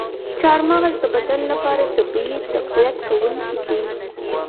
چارمغز د بدن لپاره طبیعي تقویت کوونکی دی.